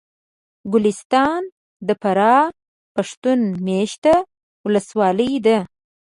ګلستان د فراه پښتون مېشته ولسوالي ده